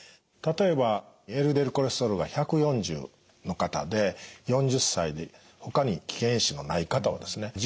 例えばＬＤＬコレステロールが１４０の方で４０歳でほかに危険因子のない方はですね